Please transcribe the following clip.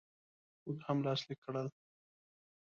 موږ هم لاسلیک کړل.